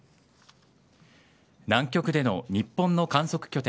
南極での日本の観測拠点